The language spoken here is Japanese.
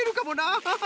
アハハ。